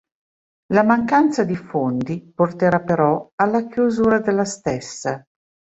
La mancanza di fondi porterà però alla chiusura della stessa.